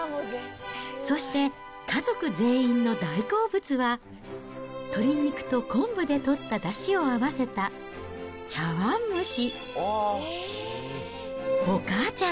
そして、家族全員の大好物は、鶏肉と昆布でとっただしを合わせた茶わん蒸し。